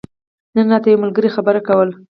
نن راته يو ملګري خبره کوله